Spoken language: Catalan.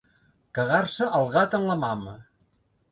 Cagar-se el gat en la mama.